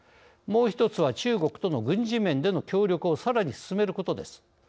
もう１つは中国との軍事面での協力をさらに進めることです。